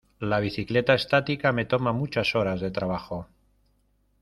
La bicicleta estática me toma muchas horas de trabajo.